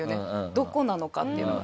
どこなのかっていうのが。